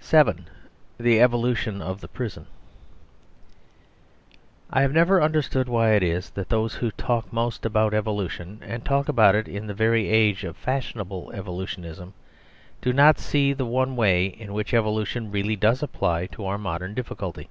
VII. THE EVOLUTION OF THE PRISON I have never understood why it is that those who talk most about evolution, and talk it in the very age of fashionable evolutionism, do not see the one way in which evolution really does apply to our modern difficulty.